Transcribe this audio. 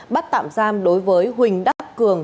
bắt tạm giam đối với huỳnh đắc cường